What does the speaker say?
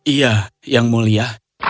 ya yang mulia